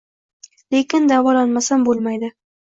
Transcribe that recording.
Lekin davolanmasam bo`lmaydi